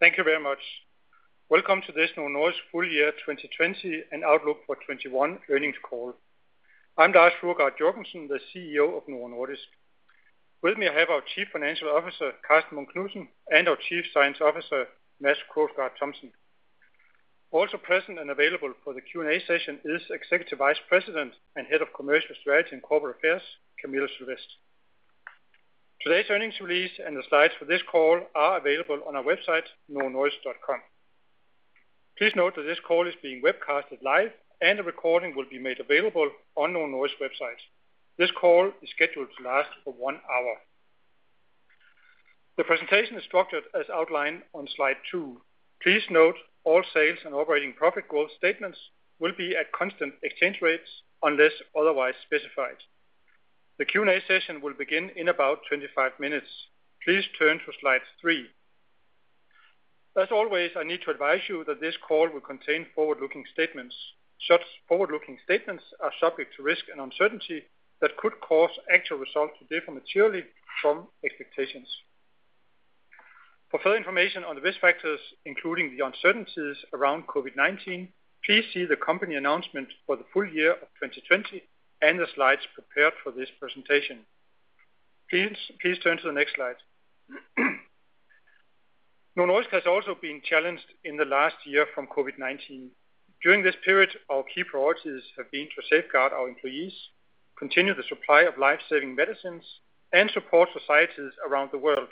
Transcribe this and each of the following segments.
Thank you very much. Welcome to this Novo Nordisk full year 2020 and outlook for 2021 earnings call. I'm Lars Fruergaard Jørgensen, the CEO of Novo Nordisk. With me, I have our Chief Financial Officer, Karsten Munk Knudsen, and our Chief Scientific Officer, Mads Krogsgaard Thomsen. Also present and available for the Q&A session is Executive Vice President and Head of Commercial Strategy and Corporate Affairs, Camilla Sylvest. Today's earnings release and the slides for this call are available on our website, novonordisk.com. Please note that this call is being webcasted live, and a recording will be made available on Novo Nordisk's website. This call is scheduled to last for one hour. The presentation is structured as outlined on slide two. Please note all sales and operating profit growth statements will be at constant exchange rates unless otherwise specified. The Q&A session will begin in about 25 minutes. Please turn to slide three. As always, I need to advise you that this call will contain forward-looking statements. Such forward-looking statements are subject to risk and uncertainty that could cause actual results to differ materially from expectations. For further information on the risk factors, including the uncertainties around COVID-19, please see the company announcement for the full year of 2020 and the slides prepared for this presentation. Please turn to the next slide. Novo Nordisk has also been challenged in the last year from COVID-19. During this period, our key priorities have been to safeguard our employees, continue the supply of life-saving medicines, and support societies around the world.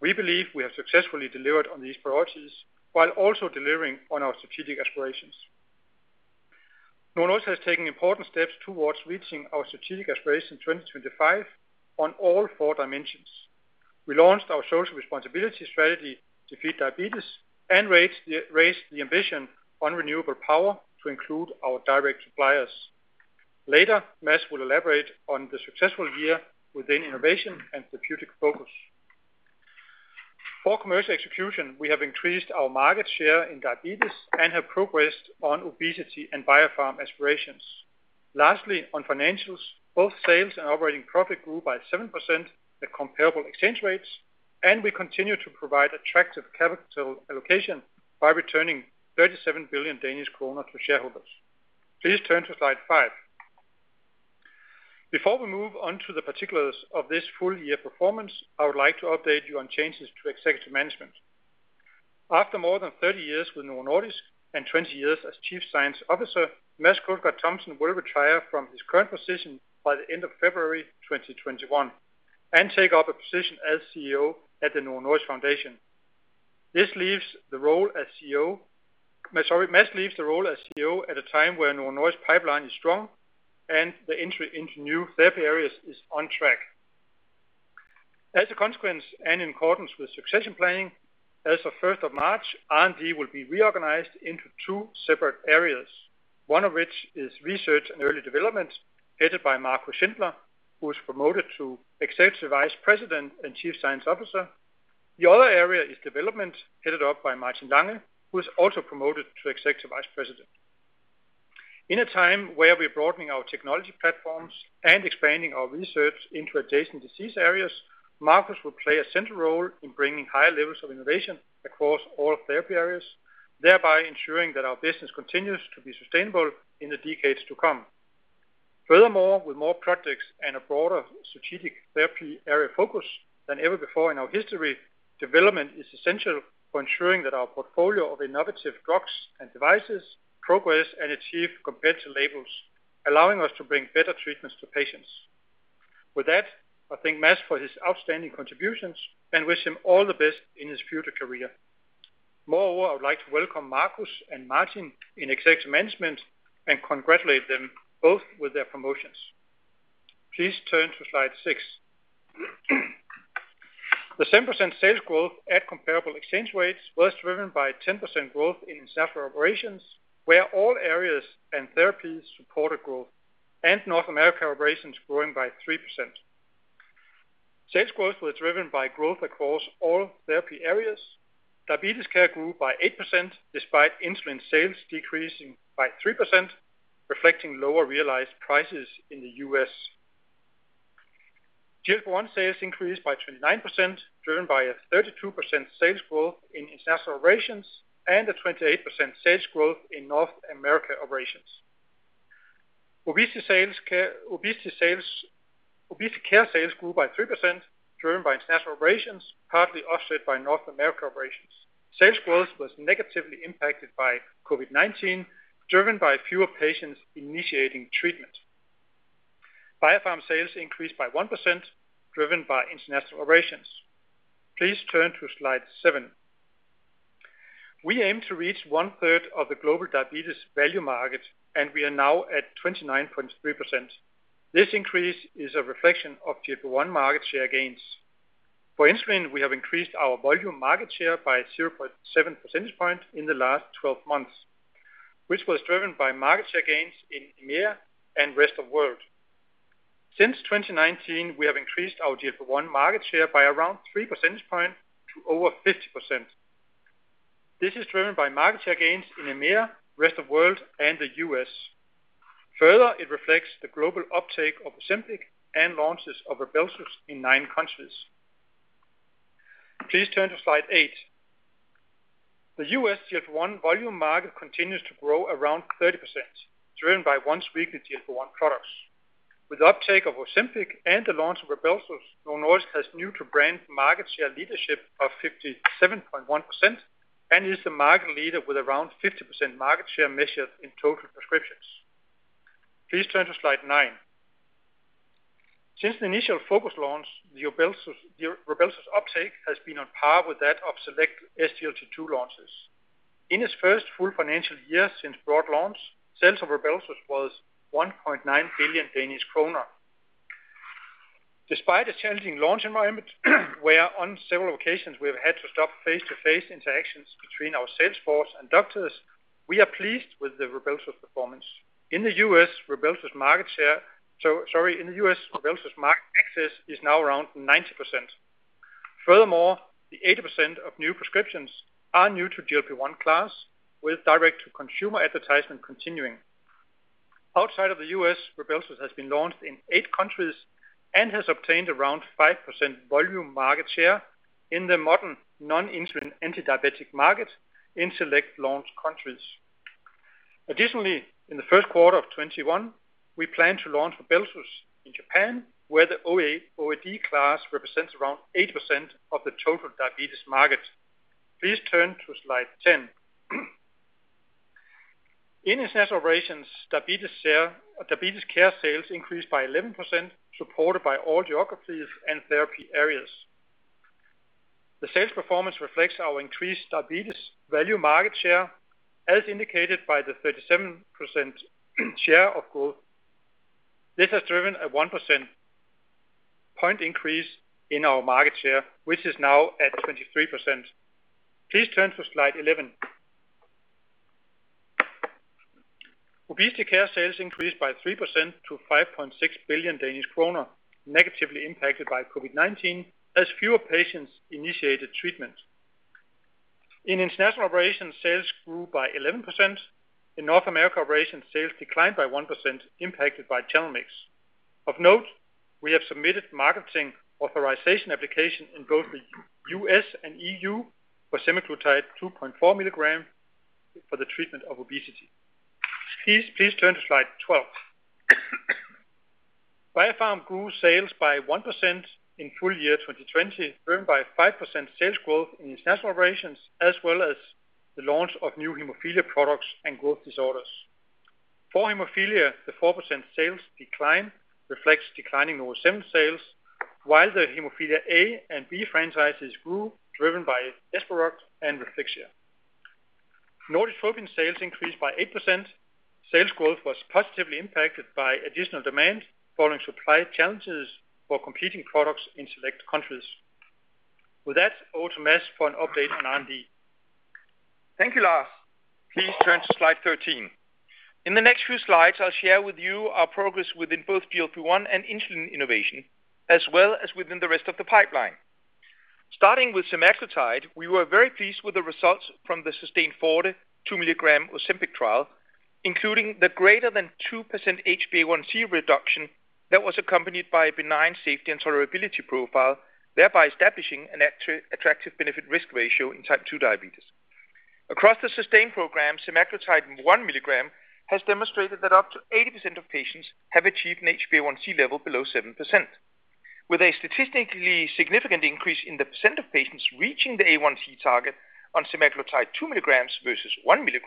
We believe we have successfully delivered on these priorities while also delivering on our strategic aspirations. Novo Nordisk has taken important steps towards reaching our strategic aspiration 2025 on all four dimensions. We launched our social responsibility strategy, Defeat Diabetes, and raised the ambition on renewable power to include our direct suppliers. Later, Mads will elaborate on the successful year within innovation and therapeutic focus. For commercial execution, we have increased our market share in diabetes and have progressed on obesity and biopharm aspirations. On financials, both sales and operating profit grew by 7% at comparable exchange rates, and we continue to provide attractive capital allocation by returning 37 billion Danish kroner to shareholders. Please turn to slide five. Before we move on to the particulars of this full-year performance, I would like to update you on changes to executive management. After more than 30 years with Novo Nordisk and 20 years as Chief Scientific Officer, Mads Krogsgaard Thomsen will retire from his current position by the end of February 2021 and take up a position as CEO at the Novo Nordisk Foundation. Mads leaves the role as CEO at a time when Novo Nordisk pipeline is strong and the entry into new therapy areas is on track. As a consequence, in accordance with succession planning, as of 1st of March, R&D will be reorganized into two separate areas, one of which is research and early development, headed by Marcus Schindler, who was promoted to Executive Vice President and Chief Scientific Officer. The other area is development, headed up by Martin Lange, who was also promoted to Executive Vice President. In a time where we're broadening our technology platforms and expanding our research into adjacent disease areas, Marcus will play a central role in bringing high levels of innovation across all therapy areas, thereby ensuring that our business continues to be sustainable in the decades to come. Furthermore, with more projects and a broader strategic therapy area focus than ever before in our history, development is essential for ensuring that our portfolio of innovative drugs and devices progress and achieve competitive labels, allowing us to bring better treatments to patients. With that, I thank Mads for his outstanding contributions and wish him all the best in his future career. Moreover, I would like to welcome Marcus and Martin in Executive Management and congratulate them both with their promotions. Please turn to slide six. The 10% sales growth at comparable exchange rates was driven by 10% growth in international operations, where all areas and therapies supported growth, and North America operations growing by 3%. Sales growth was driven by growth across all therapy areas. Diabetes care grew by 8%, despite insulin sales decreasing by 3%, reflecting lower realized prices in the U.S. GLP-1 sales increased by 29%, driven by a 32% sales growth in international operations and a 28% sales growth in North America operations. Obesity care sales grew by 3%, driven by international operations, partly offset by North America operations. Sales growth was negatively impacted by COVID-19, driven by fewer patients initiating treatment. Biopharm sales increased by 1%, driven by international operations. Please turn to slide seven. We aim to reach one-third of the global diabetes value market, and we are now at 29.3%. This increase is a reflection of GLP-1 market share gains. For insulin, we have increased our volume market share by 0.7 percentage points in the last 12 months, which was driven by market share gains in EMEA and rest of world. Since 2019, we have increased our GLP-1 market share by around three percentage points to over 50%. This is driven by market share gains in EMEA, rest of world, and the U.S. Further, it reflects the global uptake of OZEMPIC and launches of RYBELSUS in nine countries. Please turn to slide eight. The U.S. GLP-1 volume market continues to grow around 30%, driven by once-weekly GLP-1 products. With uptake of OZEMPIC and the launch of RYBELSUS, Novo Nordisk has new to brand market share leadership of 57.1% and is the market leader with around 50% market share measured in total prescriptions. Please turn to slide nine. Since the initial focus launch, the RYBELSUS uptake has been on par with that of select SGLT2 launches. In its first full financial year since broad launch, sales of RYBELSUS was 1.9 billion Danish kroner. Despite a challenging launch environment, where on several occasions we have had to stop face-to-face interactions between our sales force and doctors, we are pleased with the RYBELSUS performance. In the U.S., RYBELSUS market access is now around 90%. Furthermore, the 80% of new prescriptions are new to GLP-1 class with direct to consumer advertisement continuing. Outside of the U.S., RYBELSUS has been launched in eight countries and has obtained around 5% volume market share in the modern non-insulin antidiabetic market in select launch countries. Additionally, in the first quarter of 2021, we plan to launch RYBELSUS in Japan, where the OAD class represents around 8% of the total diabetes market. Please turn to slide 10. In international operations, diabetes care sales increased by 11%, supported by all geographies and therapy areas. The sales performance reflects our increased diabetes value market share, as indicated by the 37% share of growth. This has driven a 1% point increase in our market share, which is now at 23%. Please turn to slide 11. Obesity care sales increased by 3% to 5.6 billion Danish kroner, negatively impacted by COVID-19, as fewer patients initiated treatment. In international operations, sales grew by 11%. In North America operations, sales declined by 1%, impacted by channel mix. Of note, we have submitted marketing authorization application in both the U.S. and EU for semaglutide 2.4 mg for the treatment of obesity. Please turn to slide 12. Biopharm grew sales by 1% in full year 2020, driven by 5% sales growth in international operations, as well as the launch of new hemophilia products and growth disorders. For hemophilia, the 4% sales decline reflects declining NovoSeven sales, while the hemophilia A and B franchises grew, driven by ESPEROCT and REFIXIA. NORDITROPIN sales increased by 8%. Sales growth was positively impacted by additional demand following supply challenges for competing products in select countries. With that, over to Mads for an update on R&D. Thank you, Lars. Please turn to slide 13. In the next few slides, I'll share with you our progress within both GLP-1 and insulin innovation, as well as within the rest of the pipeline. Starting with semaglutide, we were very pleased with the results from the SUSTAIN FORTE 2 mg OZEMPIC trial, including the greater than 2% HbA1c reduction that was accompanied by a benign safety and tolerability profile, thereby establishing an attractive benefit-risk ratio in type 2 diabetes. Across the SUSTAIN program, semaglutide 1 mg has demonstrated that up to 80% of patients have achieved an HbA1c level below 7%, with a statistically significant increase in the percent of patients reaching the A1c target on semaglutide 2 mg versus 1 mg.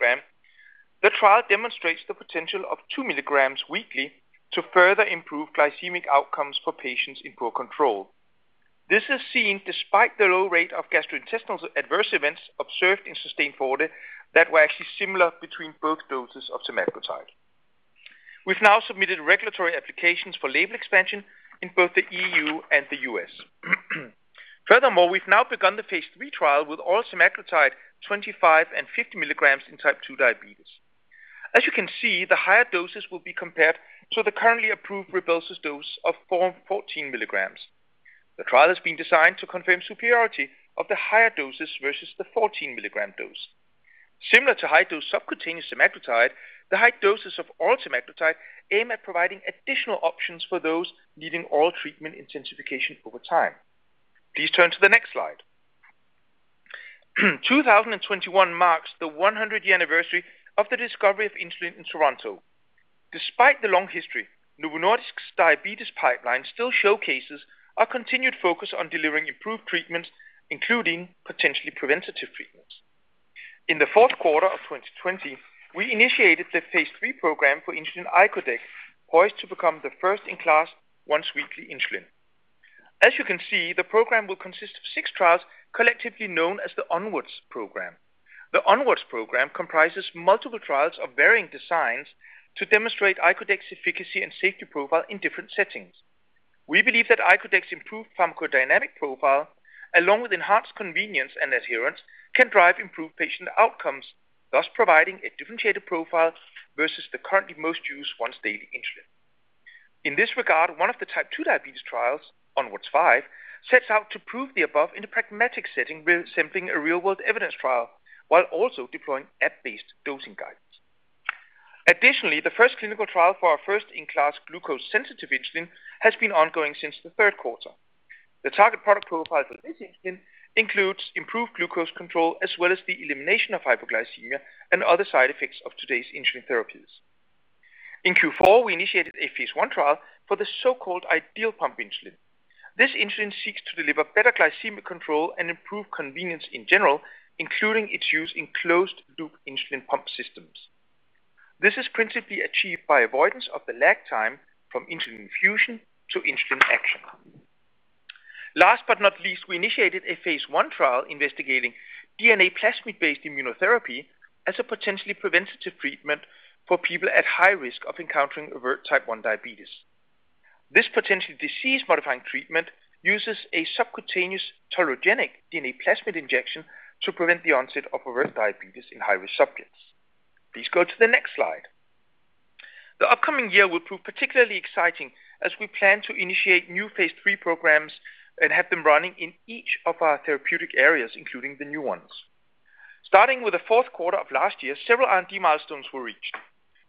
The trial demonstrates the potential of 2 mg weekly to further improve glycemic outcomes for patients in poor control. This is seen despite the low rate of gastrointestinal adverse events observed in SUSTAIN FORTE that were actually similar between both doses of semaglutide. We've now submitted regulatory applications for label expansion in both the E.U. and the U.S. Furthermore, we've now begun the phase III trial with oral semaglutide 25 mg and 50 mg in type 2 diabetes. As you can see, the higher doses will be compared to the currently approved RYBELSUS dose of 14 mg. The trial has been designed to confirm superiority of the higher doses versus the 14-mg dose. Similar to high-dose subcutaneous semaglutide, the high doses of oral semaglutide aim at providing additional options for those needing oral treatment intensification over time. Please turn to the next slide. 2021 marks the 100-year anniversary of the discovery of insulin in Toronto. Despite the long history, Novo Nordisk's diabetes pipeline still showcases our continued focus on delivering improved treatments, including potentially preventative treatments. In the fourth quarter of 2020, we initiated the phase III program for insulin icodec, poised to become the first-in-class once-weekly insulin. As you can see, the program will consist of six trials collectively known as the ONWARDS Program. The ONWARDS Program comprises multiple trials of varying designs to demonstrate icodec efficacy and safety profile in different settings. We believe that icodec improved pharmacodynamic profile along with enhanced convenience and adherence can drive improved patient outcomes, thus providing a differentiated profile versus the currently most used once-daily insulin. In this regard, one of the type 2 diabetes trials, ONWARDS 5, sets out to prove the above in a pragmatic setting resembling a real-world evidence trial, while also deploying app-based dosing guidance. Additionally, the first clinical trial for our first-in-class glucose-sensitive insulin has been ongoing since the third quarter. The target product profile for this insulin includes improved glucose control, as well as the elimination of hypoglycemia and other side effects of today's insulin therapies. In Q4, we initiated a phase I trial for the so-called ideal pump insulin. This insulin seeks to deliver better glycemic control and improve convenience in general, including its use in closed-loop insulin pump systems. This is principally achieved by avoidance of the lag time from insulin infusion to insulin action. Last but not least, we initiated a phase I trial investigating DNA plasmid-based immunotherapy as a potentially preventative treatment for people at high risk of encountering overt type 1 diabetes. This potentially disease-modifying treatment uses a subcutaneous tolerogenic DNA plasmid injection to prevent the onset of overt diabetes in high-risk subjects. Please go to the next slide. The upcoming year will prove particularly exciting as we plan to initiate new phase III programs and have them running in each of our therapeutic areas, including the new ones. Starting with the fourth quarter of last year, several R&D milestones were reached.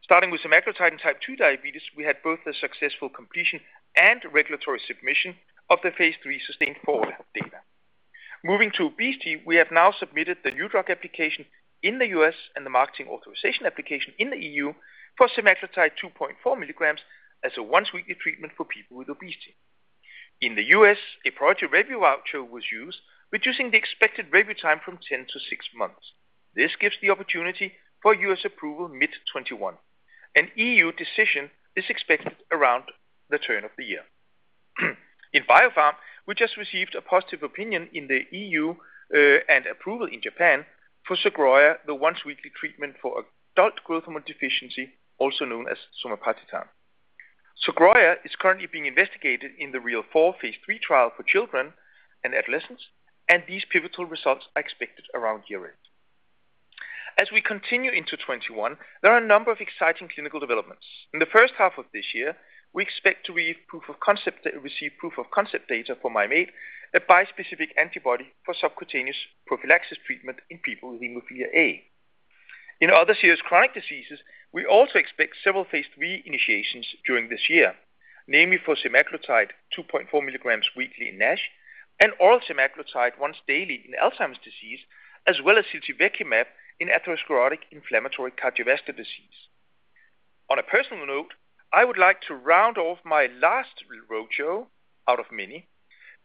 Starting with semaglutide and type 2 diabetes, we had both the successful completion and regulatory submission of the phase III SUSTAIN FORTE data. Moving to obesity, we have now submitted the new drug application in the U.S. and the marketing authorization application in the EU for semaglutide 2.4 mg as a once-weekly treatment for people with obesity. In the U.S., a priority review voucher was used, reducing the expected review time from 10-6 months. This gives the opportunity for U.S. approval mid 2021. An EU decision is expected around the turn of the year. In biopharm, we just received a positive opinion in the EU, and approval in Japan for SOGROYA, the once-weekly treatment for adult growth hormone deficiency, also known as somatropin. SOGROYA is currently being investigated in the REAL4 phase III trial for children and adolescents. These pivotal results are expected around year-end. As we continue into 2021, there are a number of exciting clinical developments. In the first half of this year, we expect to receive proof of concept data for Mim8, a bispecific antibody for subcutaneous prophylaxis treatment in people with hemophilia A. In other serious chronic diseases, we also expect several phase III initiations during this year, namely for semaglutide 2.4 mg weekly in NASH, and oral semaglutide once daily in Alzheimer's disease, as well as ziltivekimab in atherosclerotic inflammatory cardiovascular disease. On a personal note, I would like to round off my last roadshow out of many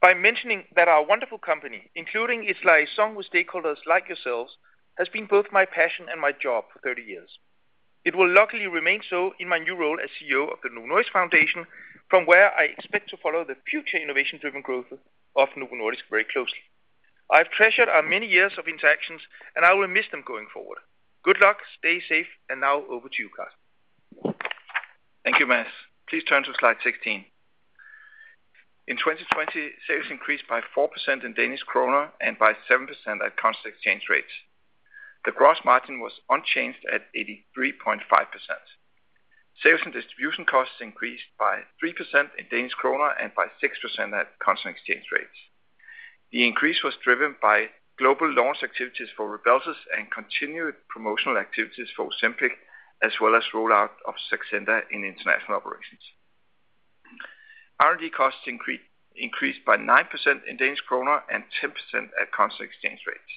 by mentioning that our wonderful company, including its liaison with stakeholders like yourselves, has been both my passion and my job for 30 years. It will luckily remain so in my new role as CEO of the Novo Nordisk Foundation, from where I expect to follow the future innovation-driven growth of Novo Nordisk very closely. I've treasured our many years of interactions, and I will miss them going forward. Good luck, stay safe, and now over to you, Karsten. Thank you, Mads. Please turn to slide 16. In 2020, sales increased by 4% in DKK and by 7% at constant exchange rates. The gross margin was unchanged at 83.5%. Sales and distribution costs increased by 3% in DKK and by 6% at constant exchange rates. The increase was driven by global launch activities for RYBELSUS and continued promotional activities for OZEMPIC, as well as rollout of SAXENDA in international operations. R&D costs increased by 9% in DKK and 10% at constant exchange rates.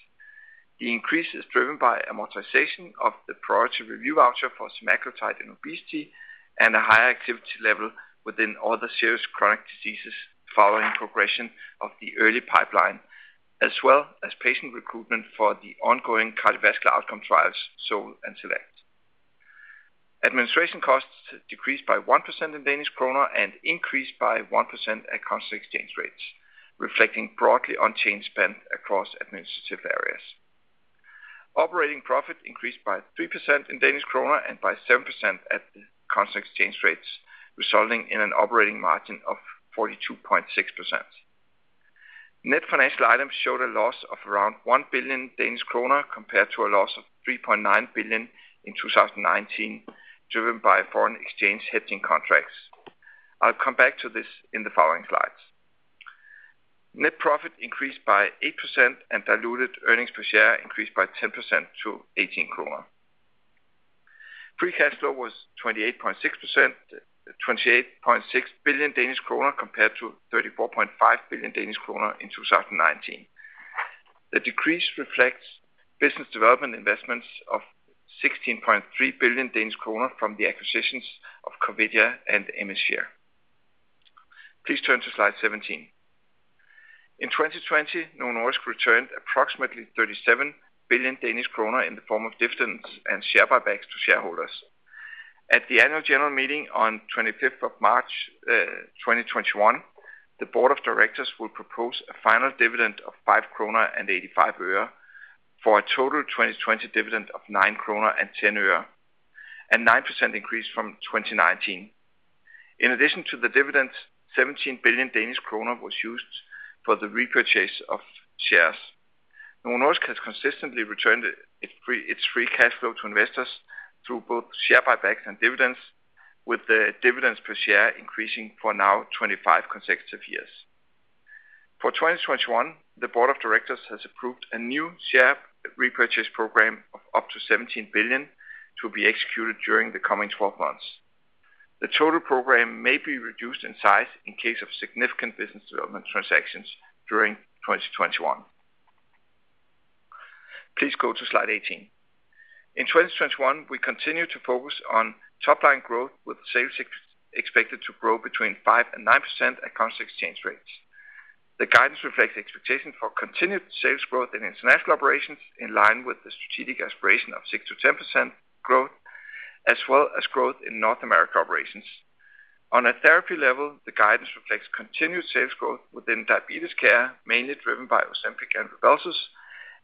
The increase is driven by amortization of the priority review voucher for semaglutide in obesity and a higher activity level within all the serious chronic diseases following progression of the early pipeline, as well as patient recruitment for the ongoing cardiovascular outcome trials, SOUL and SELECT. Administration costs decreased by 1% in DKK and increased by 1% at constant exchange rates, reflecting broadly unchanged spend across administrative areas. Operating profit increased by 3% in DKK and by 7% at constant exchange rates, resulting in an operating margin of 42.6%. Net financial items showed a loss of around 1 billion Danish kroner compared to a loss of 3.9 billion in 2019, driven by foreign exchange hedging contracts. I'll come back to this in the following slides. Net profit increased by 8%. Diluted earnings per share increased by 10% to 18 kroner. Free cash flow was 28.6 billion Danish kroner compared to 34.5 billion Danish kroner in 2019. The decrease reflects business development investments of 16.3 billion Danish kroner from the acquisitions of Corvidia and Emisphere. Please turn to slide 17. In 2020, Novo Nordisk returned approximately 37 billion Danish kroner in the form of dividends and share buybacks to shareholders. At the annual general meeting on 25th of March 2021, the board of directors will propose a final dividend of DKK 5.85 for a total 2020 dividend of 9.10 kroner, a 9% increase from 2019. In addition to the dividend, 17 billion Danish kroner was used for the repurchase of shares. Novo Nordisk has consistently returned its free cash flow to investors through both share buybacks and dividends, with the dividends per share increasing for now 25 consecutive years. For 2021, the board of directors has approved a new share repurchase program of up to 17 billion to be executed during the coming 12 months. The total program may be reduced in size in case of significant business development transactions during 2021. Please go to slide 18. In 2021, we continue to focus on top-line growth with sales expected to grow between 5% and 9% at constant exchange rates. The guidance reflects the expectation for continued sales growth in international operations, in line with the strategic aspiration of 6%-10% growth, as well as growth in North America operations. On a therapy level, the guidance reflects continued sales growth within diabetes care, mainly driven by OZEMPIC and RYBELSUS,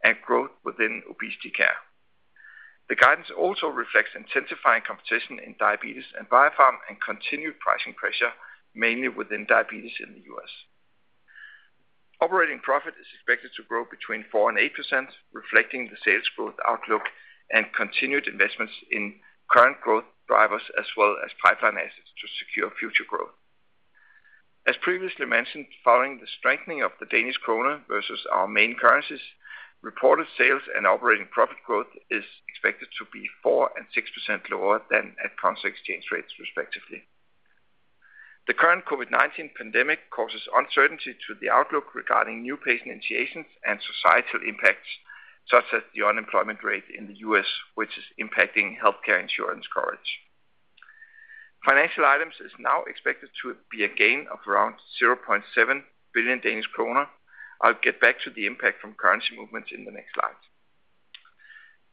and growth within obesity care. The guidance also reflects intensifying competition in diabetes and biopharm and continued pricing pressure mainly within diabetes in the U.S. Operating profit is expected to grow between 4% and 8%, reflecting the sales growth outlook and continued investments in current growth drivers, as well as pipeline assets to secure future growth. As previously mentioned, following the strengthening of the DKK versus our main currencies, reported sales and operating profit growth is expected to be 4% and 6% lower than at constant exchange rates respectively. The current COVID-19 pandemic causes uncertainty to the outlook regarding new patient initiations and societal impacts, such as the unemployment rate in the U.S., which is impacting healthcare insurance coverage. Financial items is now expected to be a gain of around 0.7 billion Danish kroner. I'll get back to the impact from currency movements in the next slides.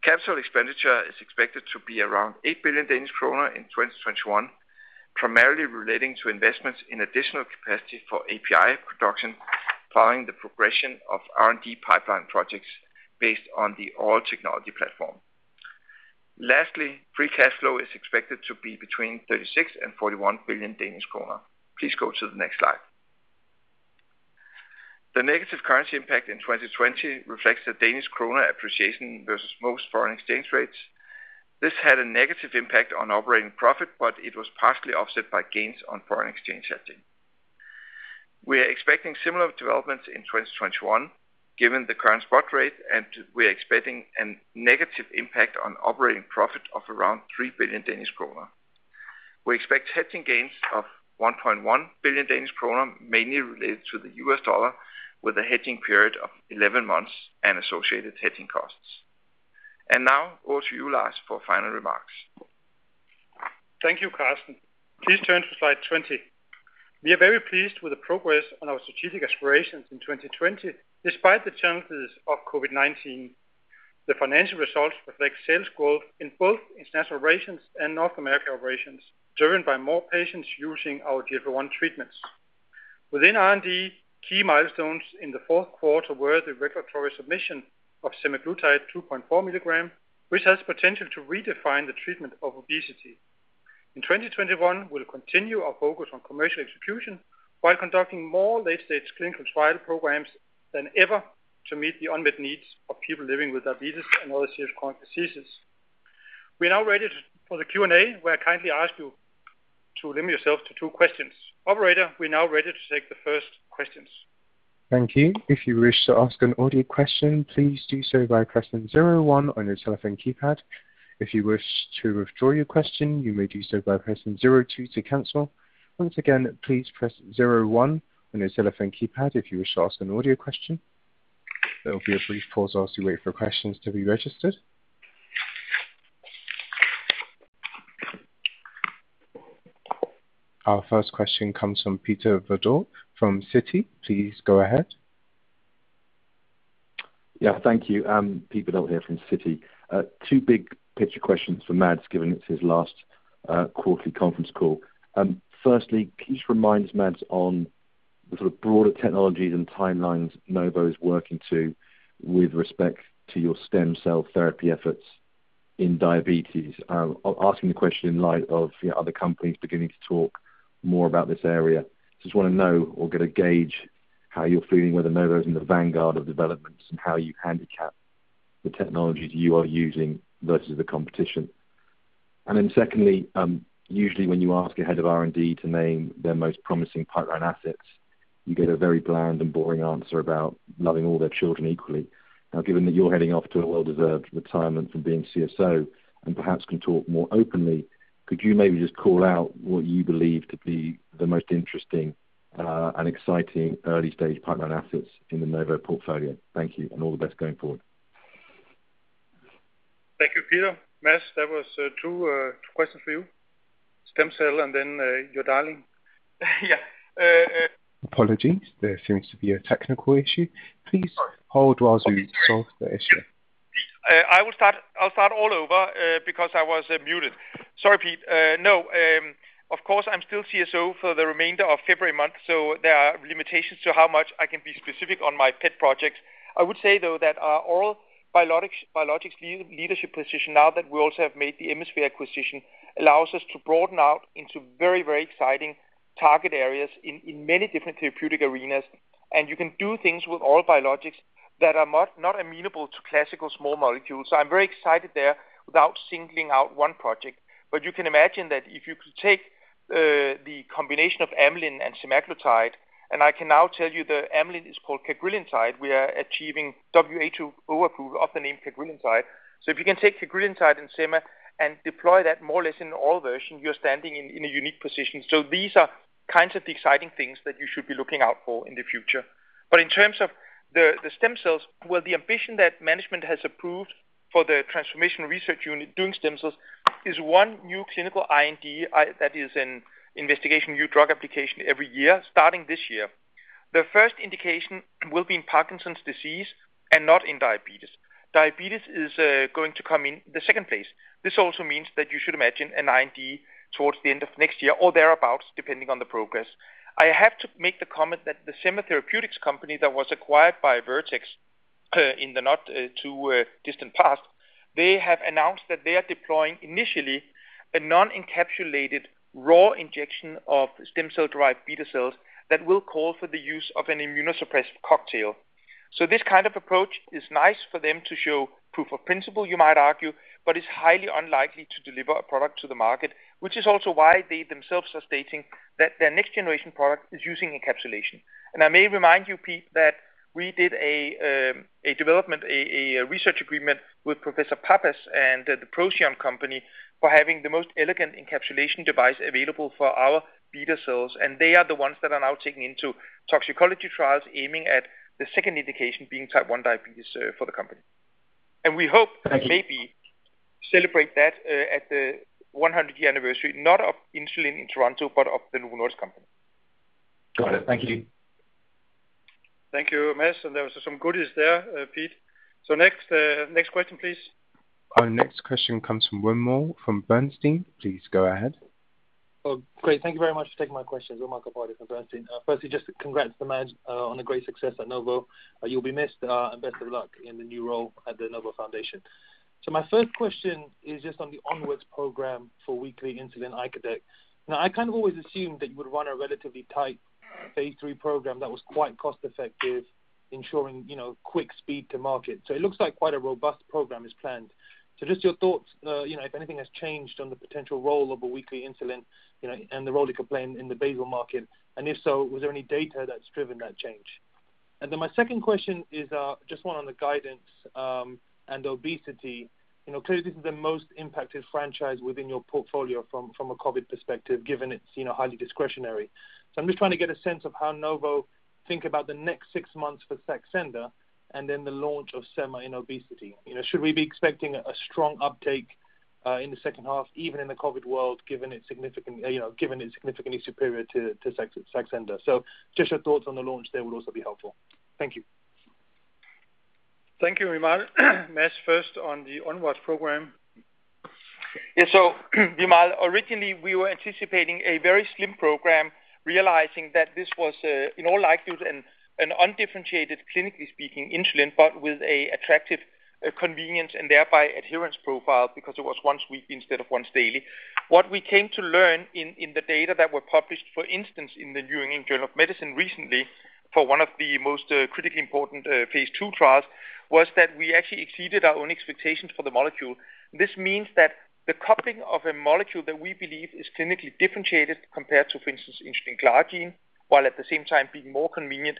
Capital expenditure is expected to be around 8 billion Danish kroner in 2021, primarily relating to investments in additional capacity for API production following the progression of R&D pipeline projects based on the oral technology platform. Lastly, free cash flow is expected to be between 36 billion and 41 billion Danish kroner. Please go to the next slide. The negative currency impact in 2020 reflects the DKK appreciation versus most foreign exchange rates. This had a negative impact on operating profit, but it was partially offset by gains on foreign exchange hedging. We are expecting similar developments in 2021, given the current spot rate, we are expecting a negative impact on operating profit of around 3 billion Danish kroner. We expect hedging gains of 1.1 billion Danish kroner, mainly related to the U.S. dollar, with a hedging period of 11 months and associated hedging costs. Now over to you, Lars, for final remarks. Thank you, Karsten. Please turn to slide 20. We are very pleased with the progress on our strategic aspirations in 2020, despite the challenges of COVID-19. The financial results reflect sales growth in both international operations and North America operations, driven by more patients using our GLP-1 treatments. Within R&D, key milestones in the fourth quarter were the regulatory submission of semaglutide 2.4 mg, which has potential to redefine the treatment of obesity. In 2021, we'll continue our focus on commercial execution while conducting more late-stage clinical trial programs than ever to meet the unmet needs of people living with diabetes and other serious chronic diseases. We are now ready for the Q&A, where I kindly ask you to limit yourself to two questions. Operator, we're now ready to take the first questions. Thank you. If you wish to ask an audio question, please do so by pressing zero one on your telephone keypad. If you wish to withdraw your question, you may do so by pressing zero two to cancel. Once again, please press zero one on your telephone keypad if you wish to ask an audio question. There will be a brief pause as we wait for questions to be registered. Our first question comes from Peter Verdult from Citi. Please go ahead. Yeah. Thank you. Pete Verdult here from Citi. Two big picture questions for Mads, given it's his last quarterly conference call. Firstly, can you just remind us, Mads, on the sort of broader technologies and timelines Novo's working to with respect to your stem cell therapy efforts in diabetes? I'm asking the question in light of other companies beginning to talk more about this area. Just want to know or get a gauge how you're feeling, whether Novo's in the vanguard of developments and how you handicap the technologies you are using versus the competition. Secondly, usually when you ask a head of R&D to name their most promising pipeline assets, you get a very bland and boring answer about loving all their children equally. Given that you're heading off to a well-deserved retirement from being CSO and perhaps can talk more openly, could you maybe just call out what you believe to be the most interesting and exciting early-stage pipeline assets in the Novo portfolio? Thank you, and all the best going forward. Thank you, Peter. Mads, that was two questions for you. Stem cell and then your darling. Yeah. Apologies. There seems to be a technical issue. Please hold while we solve the issue. I will start all over because I was muted. Sorry, Pete. No, of course, I'm still CSO for the remainder of February month, so there are limitations to how much I can be specific on my pet projects. I would say, though, that our oral biologics leadership position now that we also have made the Emisphere acquisition allows us to broaden out into very, very exciting. Target areas in many different therapeutic arenas. You can do things with oral biologics that are not amenable to classical small molecules. I'm very excited there without singling out one project. You can imagine that if you could take the combination of amylin and semaglutide, and I can now tell you the amylin is called cagrilintide. We are achieving WHO approval of the name cagrilintide. If you can take cagrilintide and sema and deploy that more or less in all versions, you're standing in a unique position. These are kinds of the exciting things that you should be looking out for in the future. In terms of the stem cells, well, the ambition that management has approved for the transformation research unit doing stem cells is one new clinical IND that is an investigation of new drug application every year, starting this year. The first indication will be in Parkinson's disease and not in diabetes. Diabetes is going to come in the second place. This also means that you should imagine an IND towards the end of next year or thereabout, depending on the progress. I have to make the comment that the Semma Therapeutics company that was acquired by Vertex in the not-too-distant past, they have announced that they are deploying initially a non-encapsulated raw injection of stem cell-derived beta cells that will call for the use of an immunosuppressive cocktail. This kind of approach is nice for them to show proof of principle, you might argue, but it's highly unlikely to deliver a product to the market, which is also why they themselves are stating that their next-generation product is using encapsulation. I may remind you, Pete, that we did a development, a research agreement with Professor Papas and the Procyon company for having the most elegant encapsulation device available for our beta cells. They are the ones that are now taking into toxicology trials, aiming at the second indication being type 1 diabetes for the company. Thank you. To maybe celebrate that at the 100-year anniversary, not of insulin in Toronto, but of the Novo Nordisk company. Got it. Thank you. Thank you, Mads. There was some goodies there, Pete. Next question, please. Our next question comes from Wimal from Bernstein. Please go ahead. Thank you very much for taking my questions. Wimal Kapadia from Bernstein. Just congrats to Mads on a great success at Novo. You'll be missed, best of luck in the new role at the Novo Foundation. My first question is just on the ONWARDS program for weekly insulin icodec. I kind of always assumed that you would run a relatively tight phase III program that was quite cost-effective, ensuring quick speed to market. It looks like quite a robust program is planned. Just your thoughts, if anything has changed on the potential role of a weekly insulin, the role it could play in the basal market, if so, was there any data that's driven that change? My second question is just one on the guidance and obesity. Clearly, this is the most impacted franchise within your portfolio from a COVID perspective, given it's highly discretionary. I'm just trying to get a sense of how Novo think about the next six months for SAXENDA and then the launch of Sema in obesity. Should we be expecting a strong uptake in the second half, even in the COVID world, given it's significantly superior to SAXENDA? Just your thoughts on the launch there will also be helpful. Thank you. Thank you, Wimal. Mads, first on the ONWARDS program. Wimal, originally, we were anticipating a very slim program, realizing that this was, in all likelihood, an undifferentiated, clinically speaking, insulin, but with an attractive convenience and thereby adherence profile because it was once-weekly instead of once-daily. What we came to learn in the data that were published, for instance, in the New England Journal of Medicine recently for one of the most critically important phase II trials, was that we actually exceeded our own expectations for the molecule. This means that the coupling of a molecule that we believe is clinically differentiated compared to, for instance, insulin glargine, while at the same time being more convenient.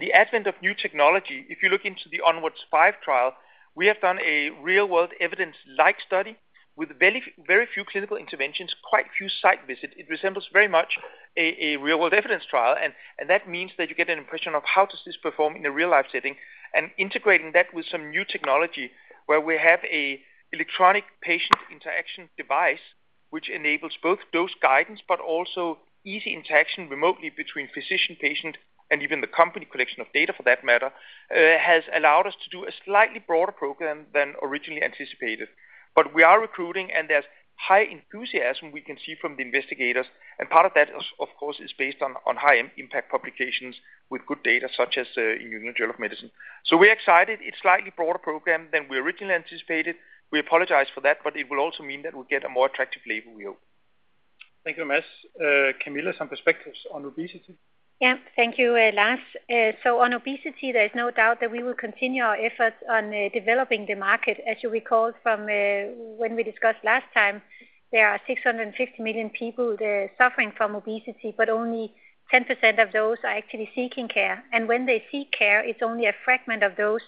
The advent of new technology, if you look into the ONWARDS 5 trial, we have done a real-world evidence-like study with very few clinical interventions, quite a few site visits. It resembles very much a real-world evidence trial, and that means that you get an impression of how does this perform in a real-life setting and integrating that with some new technology where we have an electronic patient interaction device which enables both dose guidance but also easy interaction remotely between physician, patient, and even the company collection of data, for that matter, has allowed us to do a slightly broader program than originally anticipated. We are recruiting, and there's high enthusiasm we can see from the investigators, and part of that, of course, is based on high-impact publications with good data such as the New England Journal of Medicine. We're excited. It's a slightly broader program than we originally anticipated. We apologize for that, but it will also mean that we'll get a more attractive label we hope. Thank you, Mads. Camilla, some perspectives on obesity. Thank you, Lars. On obesity, there is no doubt that we will continue our efforts on developing the market. As you recall from when we discussed last time, there are 650 million people suffering from obesity, only 10% of those are actually seeking care. When they seek care, it's only a fragment of those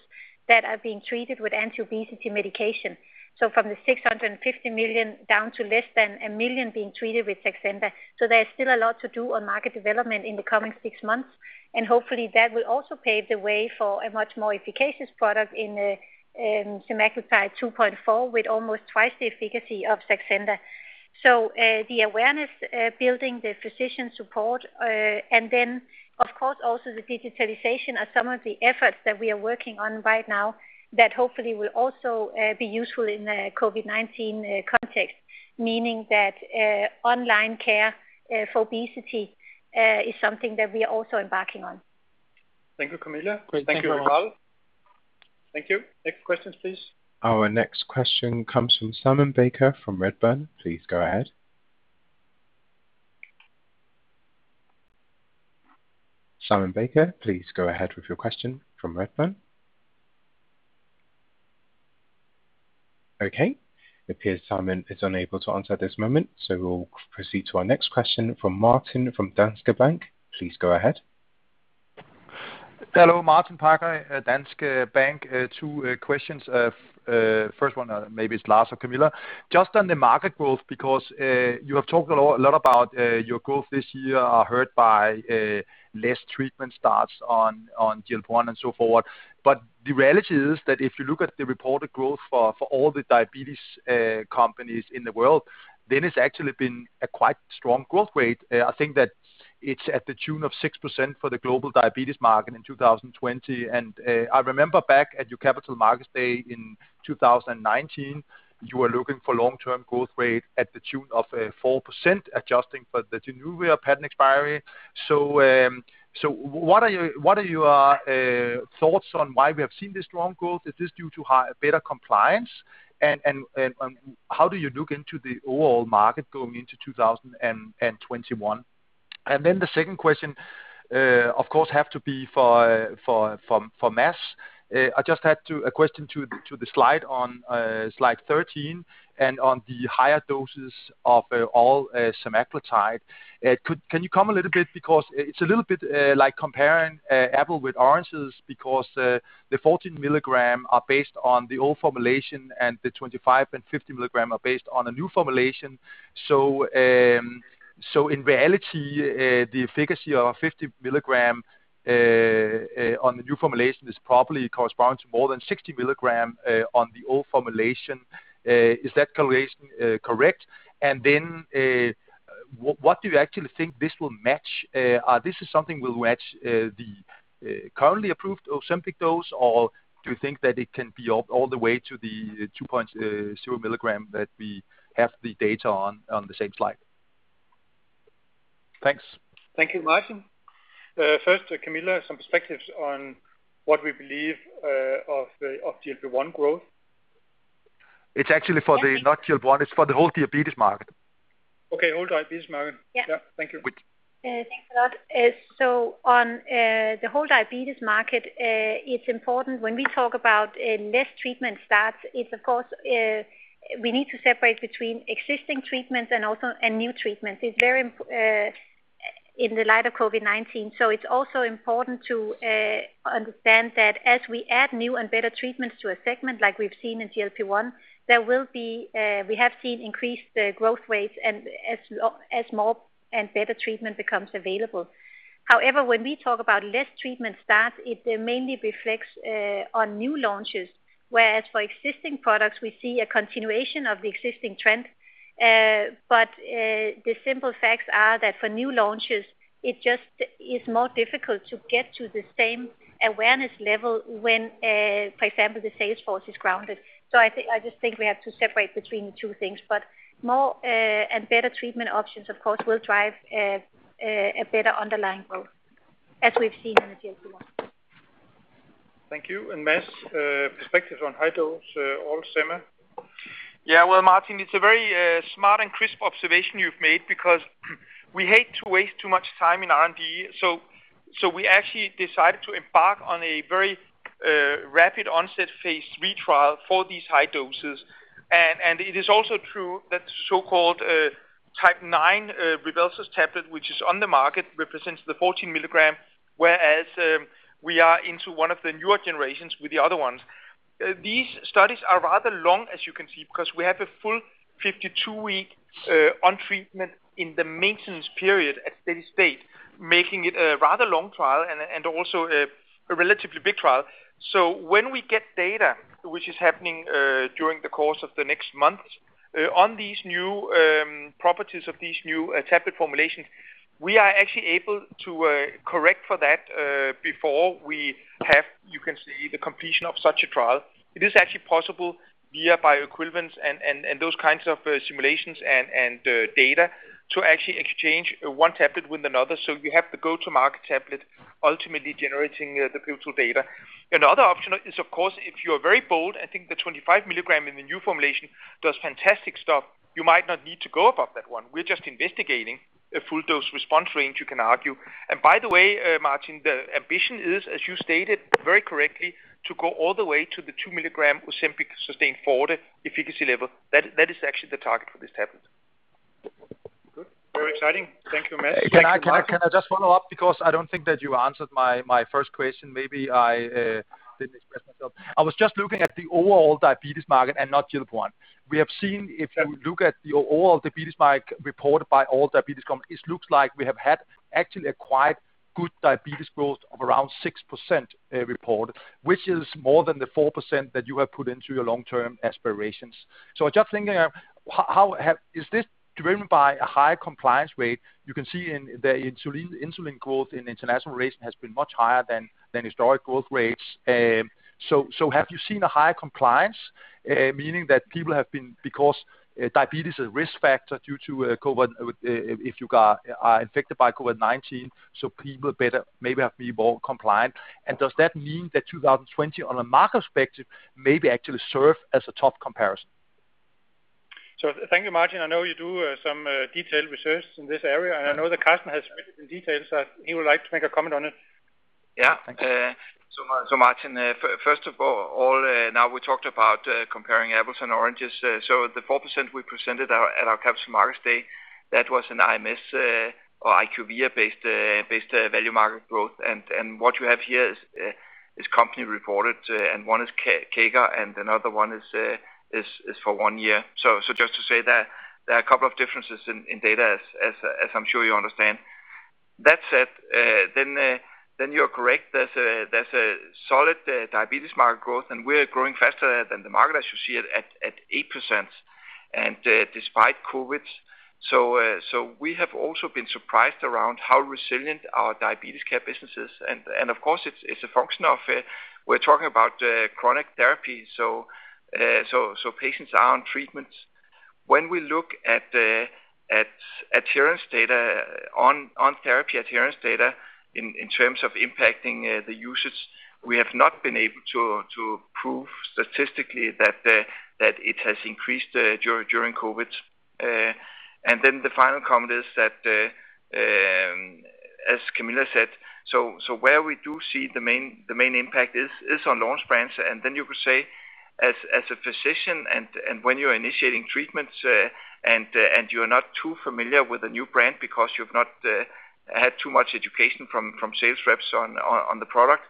that are being treated with anti-obesity medication. From the 650 million down to less than a million being treated with SAXENDA. There's still a lot to do on market development in the coming six months, hopefully, that will also pave the way for a much more efficacious product in the semaglutide 2.4 mg with almost twice the efficacy of SAXENDA. The awareness building, the physician support, and then of course also the digitalization are some of the efforts that we are working on right now that hopefully will also be useful in the COVID-19 context, meaning that online care for obesity is something that we are also embarking on. Thank you, Camilla. Great. Thank you all. Thank you. Next question, please. Our next question comes from Simon Baker from Redburn. Please go ahead. Simon Baker, please go ahead with your question from Redburn. Okay. It appears Simon is unable to answer this moment, so we'll proceed to our next question from Martin from Danske Bank. Please go ahead. Hello, Martin Parkhøi at Danske Bank. Two questions. First one, maybe it's Lars or Camilla, just on the market growth, because you have talked a lot about your growth this year are hurt by less treatment starts on GLP-1 and so forth. The reality is that if you look at the reported growth for all the diabetes companies in the world, then it's actually been a quite strong growth rate. I think that it's at the tune of 6% for the global diabetes market in 2020. I remember back at your Capital Markets Day in 2019, you were looking for long-term growth rate at the tune of 4%, adjusting for the Januvia patent expiry. What are your thoughts on why we have seen this strong growth? Is this due to better compliance? How do you look into the overall market going into 2021? The second question, of course, have to be for Mads. I just had a question to the slide on slide 13 and on the higher doses of oral semaglutide. Can you comment a little bit because it's a little bit like comparing apple with oranges because the 14 mg are based on the old formulation and the 25 mg and 50 mg are based on a new formulation. In reality, the efficacy of a 50 mg on the new formulation is probably corresponding to more than 60 mg on the old formulation. Is that correlation correct? What do you actually think this will match? This is something will match the currently approved OZEMPIC dose, or do you think that it can be up all the way to the 2.0 mg that we have the data on the same slide? Thanks. Thank you, Martin. First, Camilla, some perspectives on what we believe of GLP-1 growth. It's actually for the not GLP-1, it's for the whole diabetes market. Okay. Whole diabetes market. Yeah. Yeah. Thank you. Thanks a lot. On the whole diabetes market, it's important when we talk about less treatment starts, it's of course, we need to separate between existing treatments and new treatments in the light of COVID-19. It's also important to understand that as we add new and better treatments to a segment like we've seen in GLP-1, we have seen increased growth rates and as more and better treatment becomes available. However, when we talk about less treatment starts, it mainly reflects on new launches, whereas for existing products, we see a continuation of the existing trend. The simple facts are that for new launches, it just is more difficult to get to the same awareness level when, for example, the sales force is grounded. I just think we have to separate between the two things, but more and better treatment options of course will drive a better underlying growth as we've seen in the GLP-1. Thank you. Mads, perspective on high dose oral sema. Yeah. Well, Martin, it's a very smart and crisp observation you've made because we hate to waste too much time in R&D. We actually decided to embark on a very rapid onset phase III trial for these high doses. It is also true that so-called 9 mg RYBELSUS tablet, which is on the market, represents the 14 mg, whereas we are into one of the newer generations with the other ones. These studies are rather long, as you can see, because we have a full 52-week on treatment in the maintenance period at steady state, making it a rather long trial and also a relatively big trial. When we get data, which is happening during the course of the next month on these new properties of these new tablet formulations, we are actually able to correct for that before we have, you can see the completion of such a trial. It is actually possible via bioequivalence and those kinds of simulations and data to actually exchange one tablet with another. You have the go-to-market tablet ultimately generating the pivotal data. Another option is, of course, if you're very bold, I think the 25 mg in the new formulation does fantastic stuff. You might not need to go above that one. We're just investigating a full dose response range, you can argue. By the way, Martin, the ambition is, as you stated very correctly, to go all the way to the 2 mg OZEMPIC SUSTAIN FORTE efficacy level. That is actually the target for this tablet. Good. Very exciting. Thank you, Mads. Can I just follow up because I don't think that you answered my first question. Maybe I didn't express myself. I was just looking at the overall diabetes market and not GLP-1. We have seen if you look at the overall diabetes market reported by all diabetes companies, it looks like we have had actually a quite good diabetes growth of around 6% report, which is more than the 4% that you have put into your long-term aspirations. Just thinking, is this driven by a high compliance rate? You can see in the insulin growth in international region has been much higher than historic growth rates. Have you seen a higher compliance, meaning that people have been, because diabetes is a risk factor due to COVID, if you are infected by COVID-19, people maybe have to be more compliant. Does that mean that 2020 on a market perspective maybe actually serve as a tough comparison? Thank you, Martin. I know you do some detailed research in this area, and I know that Karsten has read it in detail, so he would like to make a comment on it. Yeah. Thank you. Martin, first of all, now we talked about comparing apples and oranges. The 4% we presented at our Capital Markets Day, that was an IMS or IQVIA based value market growth. What you have here is company reported, and one is CAGR, and another one is for one year. Just to say that there are a couple of differences in data as I'm sure you understand. That said, you are correct. There's a solid diabetes market growth, and we're growing faster than the market, as you see it, at 8%, and despite COVID. We have also been surprised around how resilient our diabetes care business is. Of course, it's a function of, we're talking about chronic therapy, so patients are on treatments. When we look at adherence data on therapy adherence data in terms of impacting the usage, we have not been able to prove statistically that it has increased during COVID. The final comment is that, as Camilla said, where we do see the main impact is on launch brands. You could say as a physician and when you're initiating treatments, and you're not too familiar with the new brand because you've not had too much education from sales reps on the product,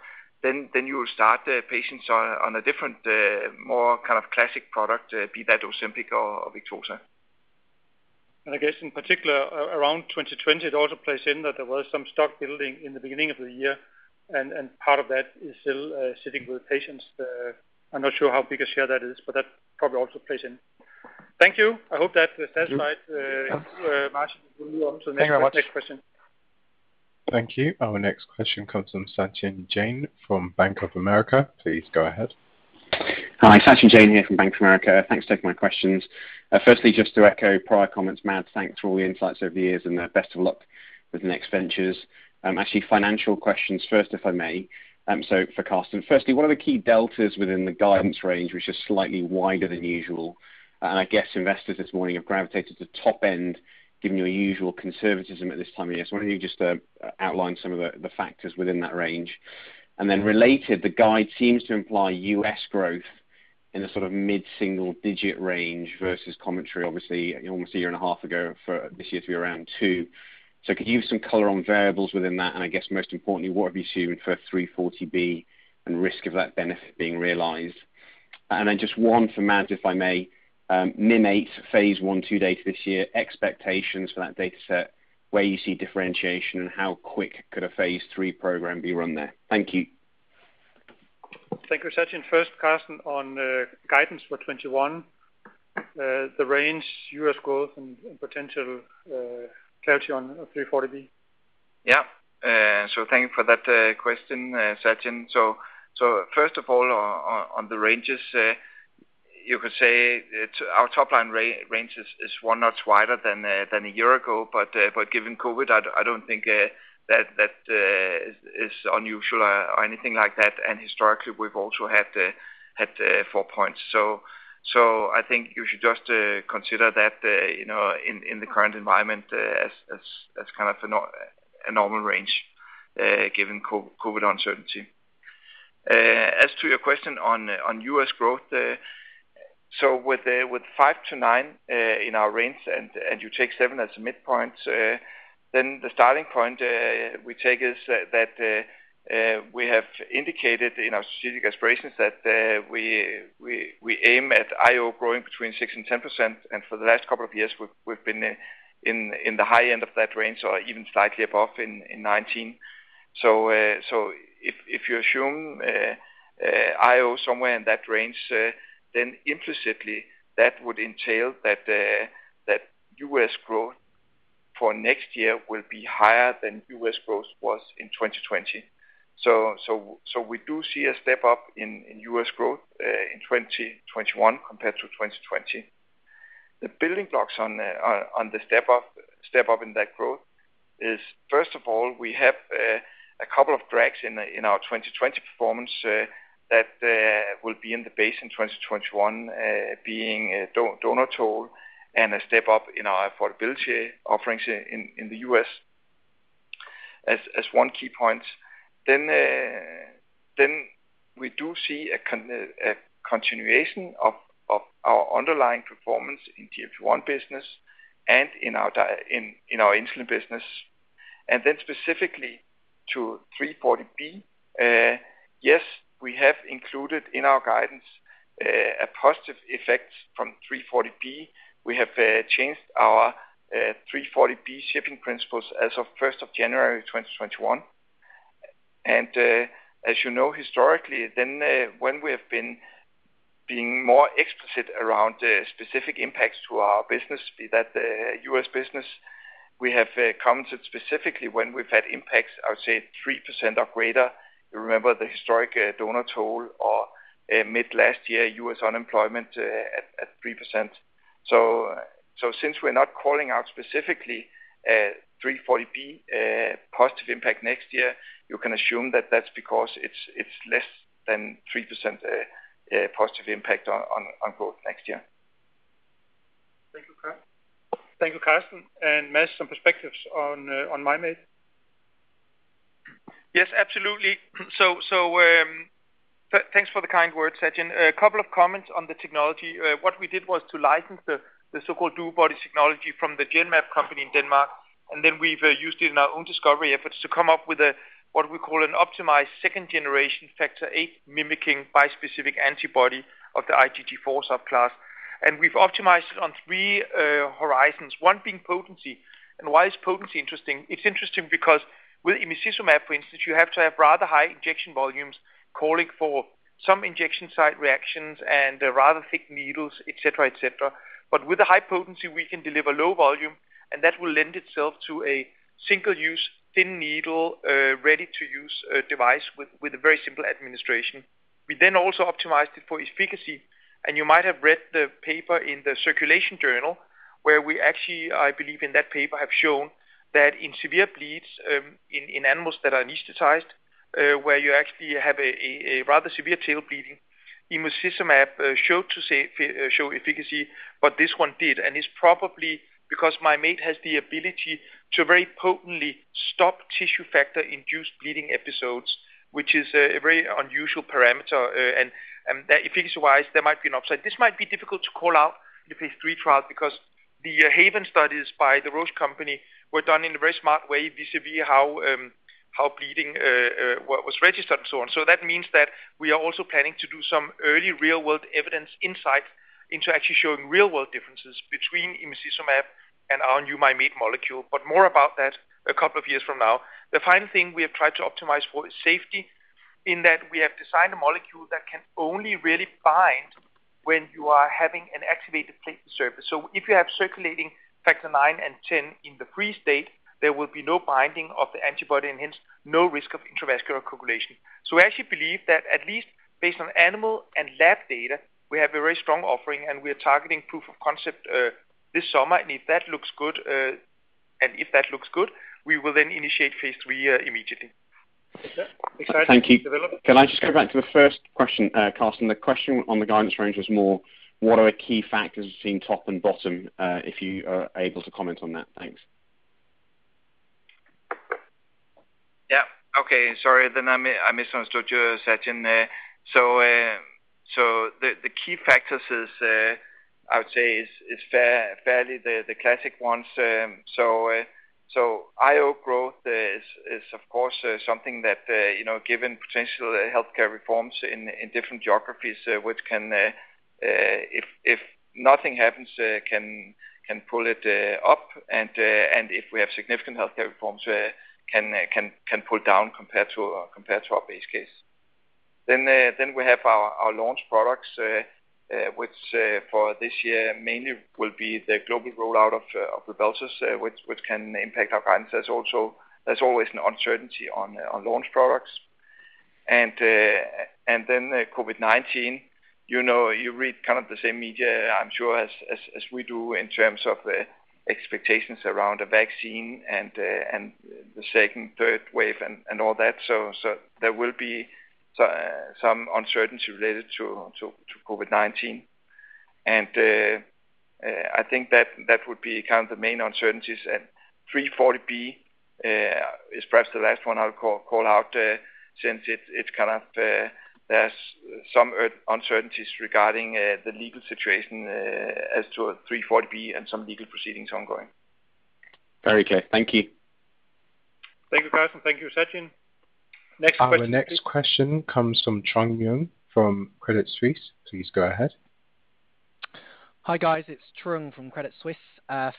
then you will start the patients on a different, more classic product, be that OZEMPIC or VICTOZA. I guess in particular around 2020, it also plays in that there was some stock building in the beginning of the year, and part of that is still sitting with patients. I'm not sure how big a share that is, that probably also plays in. Thank you. I hope that satisfied Martin. We'll move on to the next question. Thank you very much. Thank you. Our next question comes from Sachin Jain from Bank of America. Please go ahead. Hi, Sachin Jain here from Bank of America. Thanks for taking my questions. Firstly, just to echo prior comments, Mads, thanks for all the insights over the years and best of luck with the next ventures. Actually, financial questions first, if I may. For Karsten, firstly, what are the key deltas within the guidance range, which is slightly wider than usual? I guess investors this morning have gravitated to top end, given your usual conservatism at this time of year. Why don't you just outline some of the factors within that range? Then related, the guide seems to imply U.S. growth in a sort of mid-single digit range versus commentary, obviously, almost a year and a half ago for this year to be around two. Could you give some color on variables within that? I guess most importantly, what are you assuming for 340B and risk of that benefit being realized? Just one for Mads, if I may. Mim8 phase I/II data this year, expectations for that data set, where you see differentiation and how quick could a phase III program be run there? Thank you. Thank you, Sachin. First, Karsten, on guidance for 2021, the range, U.S. growth, and potential clarity on 340B. Thank you for that question, Sachin. First of all, on the ranges, you could say our top line range is one notch wider than a year ago, but given COVID, I don't think that is unusual or anything like that. Historically, we've also had four points. I think you should just consider that in the current environment as kind of a normal range given COVID uncertainty. As to your question on U.S. growth, with five to nine in our range, you take seven as a midpoint, the starting point we take is that we have indicated in our strategic aspirations that we aim at IO growing between six and 10%. For the last couple of years, we've been in the high end of that range or even slightly above in 2019. If you assume IO somewhere in that range, then implicitly, that would entail that U.S. growth for next year will be higher than U.S. growth was in 2020. The building blocks on the step up in that growth is, first of all, we have a couple of drags in our 2020 performance that will be in the base in 2021, being donut hole and a step up in our affordability offerings in the U.S. as one key point. We do see a continuation of our underlying performance in TF1 business and in our insulin business. Specifically to 340B, yes, we have included in our guidance a positive effect from 340B. We have changed our 340B shipping principles as of 1st of January 2021. As you know, historically, when we have been being more explicit around specific impacts to our business, be that the U.S. business, we have commented specifically when we've had impacts, I would say 3% or greater. You remember the historic donut hole or mid last year U.S. unemployment at 3%. Since we're not calling out specifically 340B positive impact next year, you can assume that that's because it's less than 3% positive impact on growth next year. Thank you, Karsten. Mads, some perspectives on Mim8. Yes, absolutely. Thanks for the kind words, Sachin. A couple of comments on the technology. What we did was to license the so-called DuoBody technology from the Genmab company in Denmark. We've used it in our own discovery efforts to come up with a, what we call an optimized second generation factor VIII mimicking bispecific antibody of the IgG4 subclass. We've optimized it on three horizons, one being potency. Why is potency interesting? It's interesting because with emicizumab, for instance, you have to have rather high injection volumes calling for some injection site reactions and rather thick needles, et cetera. With the high potency, we can deliver low volume. That will lend itself to a single-use, thin needle, ready-to-use device with very simple administration. We also optimized it for efficacy. You might have read the paper in Circulation, where we actually, I believe in that paper, have shown that in severe bleeds, in animals that are anesthetized, where you actually have a rather severe tail bleeding, emicizumab showed efficacy, but this one did. It's probably because Mim8 has the ability to very potently stop tissue factor-induced bleeding episodes, which is a very unusual parameter. Efficacy-wise, there might be an upside. This might be difficult to call out in the phase III trial because the HAVEN studies by Roche were done in a very smart way vis-a-vis how bleeding was registered and so on. That means that we are also planning to do some early real-world evidence insight into actually showing real-world differences between emicizumab and our new Mim8 molecule. More about that a couple of years from now. The final thing we have actually tried to optimize for is safety, in that we have designed a molecule that can only really bind when you are having an activated platelet surface. If you have circulating factor IX and factor X in the free state, there will be no binding of the antibody and hence no risk of intravascular coagulation. We actually believe that at least based on animal and lab data, we have a very strong offering, and we are targeting proof of concept this summer. If that looks good, we will then initiate phase III immediately. Exactly. Thank you. Development. Can I just go back to the first question, Karsten? The question on the guidance range was more, what are key factors between top and bottom, if you are able to comment on that? Thanks. Okay. Sorry, then I misunderstood you, Sachin. The key factors is, I would say, is fairly the classic ones. IO growth is of course something that given potential healthcare reforms in different geographies, which can, if nothing happens can pull it up, and if we have significant healthcare reforms can pull down compared to our base case. We have our launch products, which for this year mainly will be the global rollout of RYBELSUS which can impact our guidance. There's always an uncertainty on launch products. COVID-19, you read kind of the same media, I'm sure, as we do in terms of expectations around a vaccine and the second, third wave and all that. There will be some uncertainty related to COVID-19. I think that would be kind of the main uncertainties. 340B is perhaps the last one I'll call out since there's some uncertainties regarding the legal situation as to 340B and some legal proceedings ongoing. Very clear. Thank you. Thank you, Karsten. Thank you, Sachin. Next question, please. Our next question comes from Trung Huynh from Credit Suisse. Please go ahead. Hi, guys. It's Trung from Credit Suisse.